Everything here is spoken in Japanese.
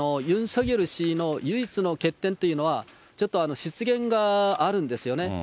ユン・ソギョル氏の唯一の欠点というのは、ちょっと失言があるんですよね。